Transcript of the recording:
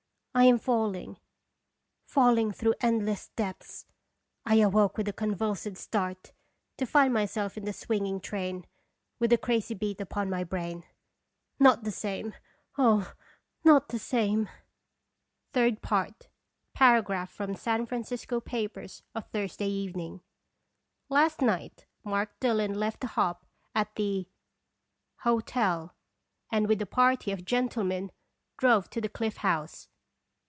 I am falling, fall ing through endless depths. I awoke with a convulsive start, to find myself in the swinging train, with the crazy beat upon my brain. " Not the same ! Oh, not the same !" Seronb (tarb toine." 271 III. PARAGRAPH FROM SAN FRANCISCO PAPERS OF THURSDAY EVENING. Last night, Mark Dillon left the hop at the Hotel, and with a party of gentlemen drove to the Cliff House.